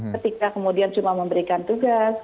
ketika kemudian cuma memberikan tugas